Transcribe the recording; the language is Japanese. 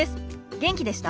元気でした？